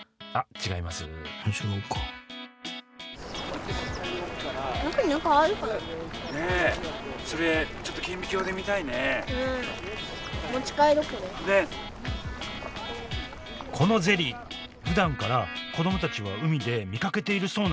違うかこのゼリーふだんから子どもたちは海で見かけているそうなんです。